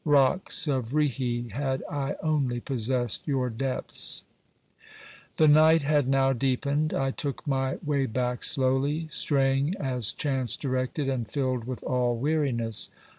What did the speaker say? Rocks of Righi, had I only possessed your depths ! The night had now deepened ; I took my way back slowly, straying as chance directed and filled with all weariness.